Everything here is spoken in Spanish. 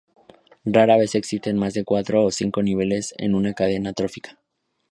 Rara vez existen más de cuatro o cinco niveles en una cadena trófica.